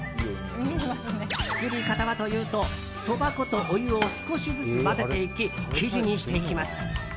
作り方はというとそば粉とお湯を少しずつ混ぜていき生地にしていきます。